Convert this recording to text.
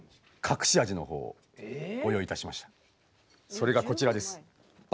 それがこちらです。